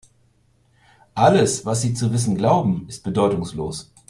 Alles, was Sie zu wissen glauben, ist bedeutungslos.